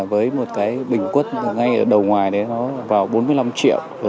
với một cái bình quân ngay ở đầu ngoài đấy nó vào bốn mươi năm triệu